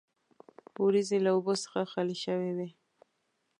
وریځې له اوبو څخه خالي شوې وې.